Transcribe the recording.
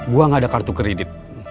gue gak ada kartu kredit